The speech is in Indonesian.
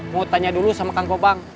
mau tanya dulu sama kang kopang